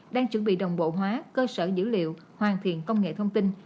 đang chuẩn bị đồng bộ hóa cơ sở dữ liệu hoàn thiện công nghệ thông tin